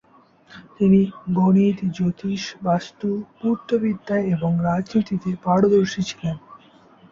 তিনি গণিত, জ্যোতিষ, বাস্তু, পূর্তবিদ্যায় এবং রাজনীতিতে পারদর্শী ছিলেন।